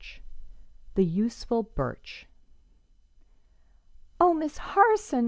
THE USEFUL BIRCH. "Oh, Miss Harson!"